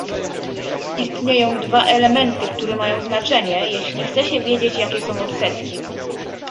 Istnieją dwa elementy, które mają znaczenie, jeśli chce się wiedzieć, jakie są odsetki